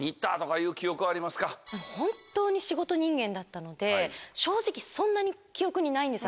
本当に仕事人間だったので正直そんなに記憶にないんです